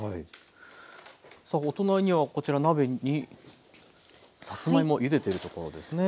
さあお隣にはこちら鍋にさつまいもゆでてるところですね。